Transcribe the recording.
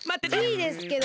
いいですけど。